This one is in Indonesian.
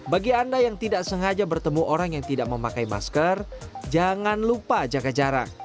bagi anda yang tidak sengaja bertemu orang yang tidak memakai masker jangan lupa jaga jarak